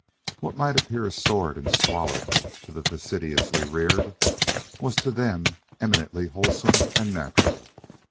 What might appear sordid and squalid to the fastidiously reared, was to them eminently wholesome and natural.